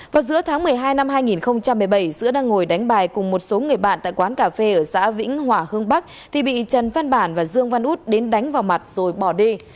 vào giữa tháng một mươi hai năm hai nghìn một mươi bảy giữa đang ngồi đánh bài cùng một số người bạn tại quán cà phê ở xã vĩnh hòa hương bắc thì bị trần văn bản và dương văn út đến đánh vào mặt rồi bỏ đi